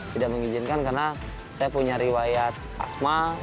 tidak mengizinkan karena saya punya riwayat asma